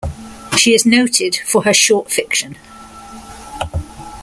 She is noted for her short fiction.